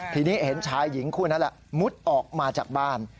ทีนี้เห็นชายหญิงคู่นั้นแหละมุดออกมาจากบ้าน